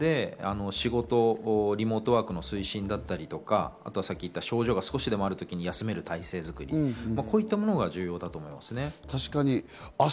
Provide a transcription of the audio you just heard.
仕事のリモートワークの推進だったりとか、症状が少しでもあるときに休めるという体制、こういったことが重要だと思いますね。